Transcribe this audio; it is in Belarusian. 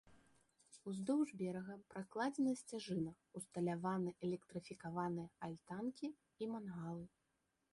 Уздоўж берага пракладзена сцяжына, усталяваны электрыфікаваная альтанкі і мангалы.